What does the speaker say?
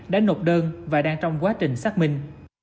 đã nộp đơn và đang trong quá trình xác minh